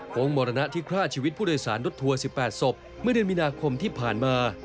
งงมรณะที่ฆ่าชีวิตผู้โดยสารรถทัวร์๑๘ศพเมื่อเดือนมีนาคมที่ผ่านมา